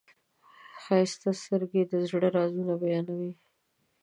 ښایسته سترګې د زړه رازونه بیانوي.